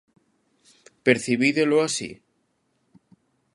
Percibídelo así?